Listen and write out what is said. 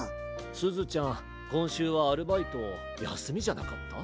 すずちゃんこんしゅうはアルバイトやすみじゃなかった？